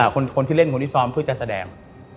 คนที่เล่นคนที่ซ้อมเพื่อจะแสดง